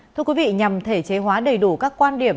thưa quý vị nhằm thể chế hóa đầy đủ các quan điểm